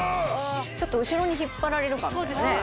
ちょっと後ろに引っ張られる感が。